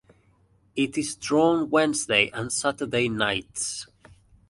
It is drawn Wednesday and Saturday nights.